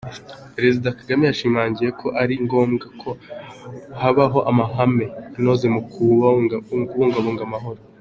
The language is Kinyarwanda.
Perezida Kagame yashimangiye ko ari ngombwa ko habaho amahame anoze mu kubungabunga amahoro.